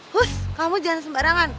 hush kamu jangan sembarangan